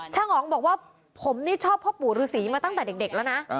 อ๋องบอกว่าผมนี่ชอบพ่อปู่ฤษีมาตั้งแต่เด็กแล้วนะ